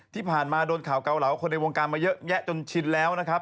ที่ผ่านมาโดนข่าวเกาเหลาคนในวงการมาเยอะแยะจนชินแล้วนะครับ